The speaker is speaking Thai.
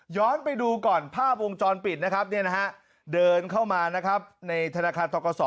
ย้อนไปดูก่อนภาพวงจรปิดนะครับเนี่ยนะฮะเดินเข้ามานะครับในธนาคารตกส